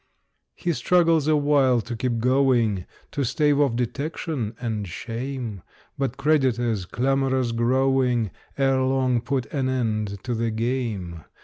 He struggles awhile to keep going, To stave off detection and shame; But creditors, clamorous growing, Ere long put an end to the game.